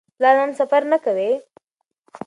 پلار نن سفر نه کوي.